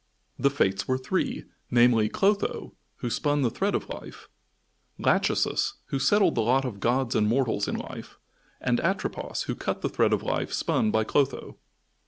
The Fates were three, namely, Clotho who spun the thread of life, Lachesis who settled the lot of gods and mortals in life, and Atropos who cut the thread of life spun by Clotho.